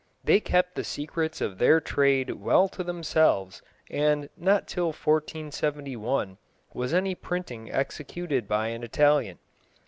They kept the secrets of their trade well to themselves, and not till 1471 was any printing executed by an Italian.